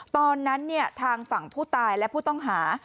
ตอนนั้นทางฝั่งผู้ตายและผู้ต้องหา